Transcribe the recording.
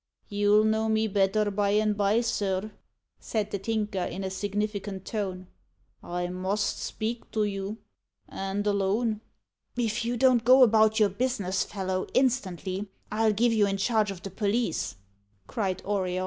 "You'll know me better by and by, sir," said the Tinker, in a significant tone. "I must speak to you, and alone." "If you don't go about your business, fellow, instantly, I'll give you in charge of the police," cried Auriol.